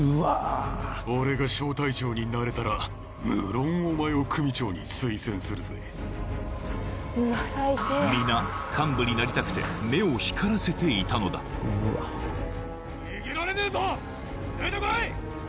俺が小隊長になれたら無論お前を組長に推薦するぜ皆幹部になりたくて目を光らせていたのだ逃げられねえぞ出てこい！